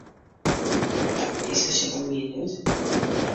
Dat minske sjocht der min út.